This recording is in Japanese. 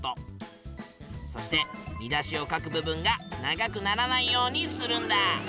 そして見出しを書く部分が長くならないようにするんだ。